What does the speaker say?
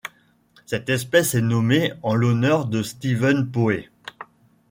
Cette espèce est nommée en l'honneur de Steven Poe.